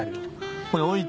これ置いて。